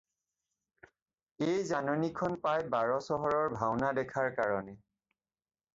এই জাননীখন পাই বাৰ চহৰৰ ভাওনা দেখাৰ কাৰণে